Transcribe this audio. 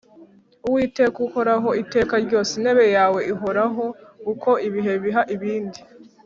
Uwiteka, uhoraho iteka ryose, Intebe yawe ihoraho uko ibihe biha ibindi.